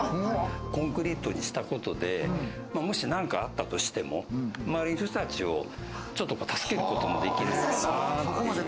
コンクリートにしたことでもし何かあったとしても、周りの人たちを、ちょっと助けることもできる。